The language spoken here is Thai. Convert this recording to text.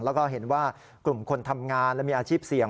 แล้วก็เห็นว่ากลุ่มคนทำงานและมีอาชีพเสี่ยง